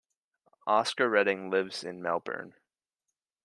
Oscar Redding lives in Melbourne.